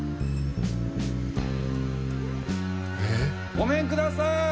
えっ？ごめんください！